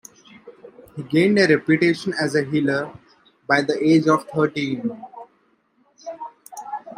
He gained a reputation as a healer by the age of thirteen.